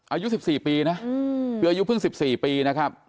อายุ๑๔ปีนะคืออายุเพิ่ง๑๔ปีนะครับ